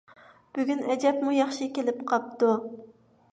بۈگۈن ئەجەبمۇ ياخشى كېلىپ قاپتۇ.